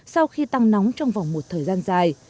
sau khi tăng nóng trong vòng một thời gian dài